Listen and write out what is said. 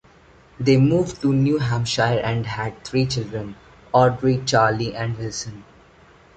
They moved to New Hampshire and had three children, Audrey, Charlie, and Wilson.